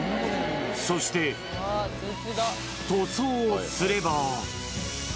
そして、塗装をすれば。